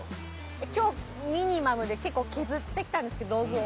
えっ今日ミニマムで結構削ってきたんですけど道具を。